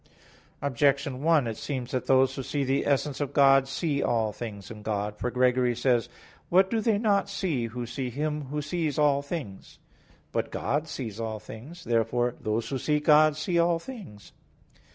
Objection 1: It seems that those who see the essence of God see all things in God. For Gregory says (Dialog. iv): "What do they not see, who see Him Who sees all things?" But God sees all things. Therefore those who see God see all things.